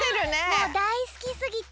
もうだいすきすぎて。